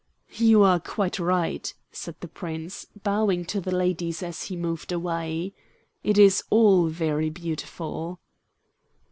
"You are quite right," said the Prince, bowing to the ladies as he moved away. "It is all very beautiful."